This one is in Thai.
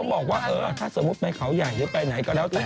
บอกว่าเออถ้าสมมุติไปเขาใหญ่หรือไปไหนก็แล้วแต่